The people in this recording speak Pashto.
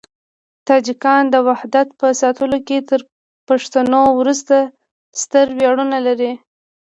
تاجکان د وحدت په ساتلو کې تر پښتنو وروسته ستر ویاړونه لري.